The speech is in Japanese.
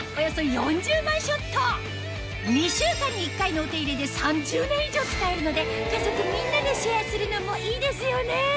２週間に１回のお手入れで３０年以上使えるので家族みんなでシェアするのもいいですよね